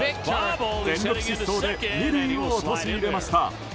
全力疾走で２塁を陥れました。